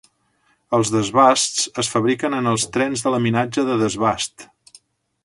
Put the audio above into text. Els desbasts es fabriquen en els trens de laminatge de desbast.